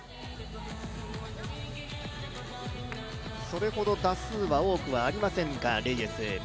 それほど打数は多くはありませんが、レイエス。